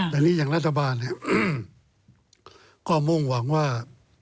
แต่นี่อย่างรัฐบาลเนี่ยก็มุ่งหวังว่า